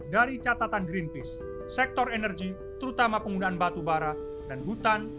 dari catatan greenpeace sektor energi terutama penggunaan batu bara dan hutan